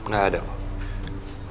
gak ada ma